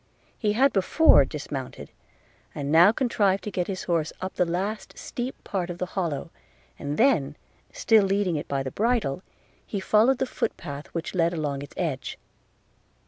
– He had before dismounted, and now contrived to get his horse up the least steep part of the hollow, and then, still leading it by the bridle, he followed the foot path which led along its edge.